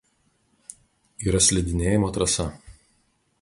Yra slidinėjimo trasa.